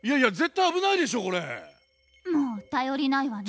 もう頼りないわね。